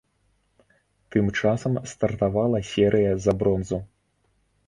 Тым часам стартавала серыя за бронзу.